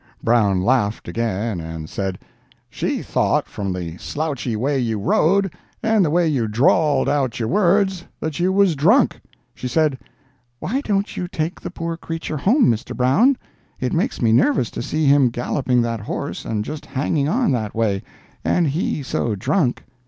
Brown laughed again and said: "She thought from the slouchy way you rode and the way you drawled out your words, that you was drunk! She said, 'Why don't you take the poor creature home, Mr. Brown? It makes me nervous to see him galloping that horse and just hanging on that way, and he so drunk.'"